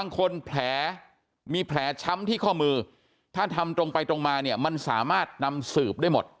คนแผลมีแผลช้ำที่ข้อมือถ้าทำตรงไปตรงมาเนี่ยมันสามารถนำสืบได้หมด